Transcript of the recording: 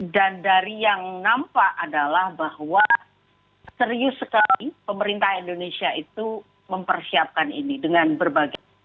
dan dari yang nampak adalah bahwa serius sekali pemerintah indonesia itu mempersiapkan ini dengan berbagai